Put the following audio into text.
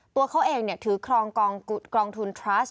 ตัวเขาเองถือครองกองทุนทรัส